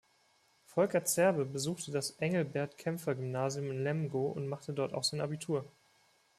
Volker Zerbe besuchte das Engelbert-Kaempfer-Gymnasium in Lemgo und machte dort auch sein Abitur.